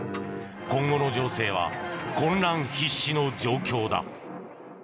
今後の情勢は混乱必至の状況だ。